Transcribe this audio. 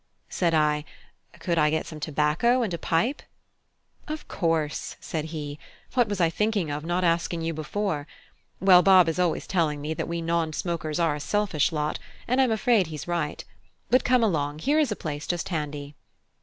Said I: "Could I get some tobacco and a pipe?" "Of course," said he; "what was I thinking of, not asking you before? Well, Bob is always telling me that we non smokers are a selfish lot, and I'm afraid he is right. But come along; here is a place just handy."